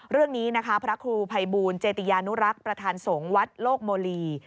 เรื่องนี้นะคะพระครูภัยบูลเจติยานุรักษ์ประธานสงฆ์วัดโลกโมลี